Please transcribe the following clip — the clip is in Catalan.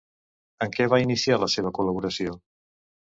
En què va iniciar la seva col·laboració?